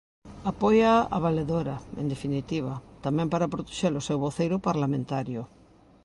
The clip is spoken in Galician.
Apóiaa a valedora, en definitiva, tamén para protexer o seu voceiro parlamentario.